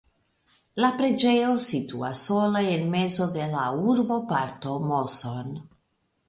La preĝejo situas sola en mezo de la urboparto Moson.